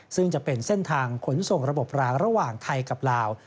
ซึ่งจะเป็นเส้นทางขนส่งระบบรางระหว่างไทยกับลาว